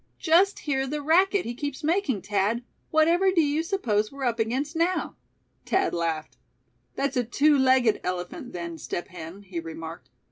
Just hear the racket he keeps making Thad; whatever do you suppose we're up against now?" Thad laughed. "That's a two legged elephant, then, Step Hen," he remarked.